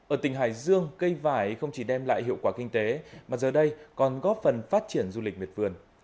ở tỉnh hải dương cây vải không chỉ đem lại hiệu quả kinh tế mà giờ đây còn góp phần phát triển du lịch miệt vườn